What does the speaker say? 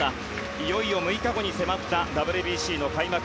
いよいよ６日後に迫ったＷＢＣの開幕。